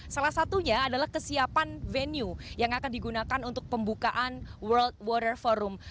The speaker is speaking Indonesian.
salah satunya adalah kesiapan venue yang akan digunakan untuk pembukaan world water forum